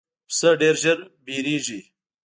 پسه ډېر ژر وېرېږي.